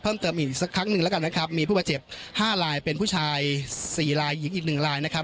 เพิ่มเติมอีกสักครั้งหนึ่งแล้วกันนะครับมีผู้บาดเจ็บ๕ลายเป็นผู้ชาย๔ลายอีก๑ลายนะครับ